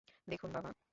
দেখুন, বাবা।